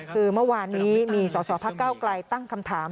คือเมื่อวานนี้มีสอสอพักเก้าไกลตั้งคำถาม